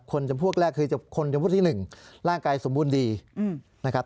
จำพวกแรกคือคนจำพวกที่๑ร่างกายสมบูรณ์ดีนะครับ